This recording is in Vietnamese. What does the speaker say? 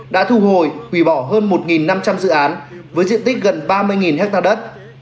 đã thu hồi hủy bỏ hơn một năm trăm linh dự án với diện tích gần ba mươi ha đất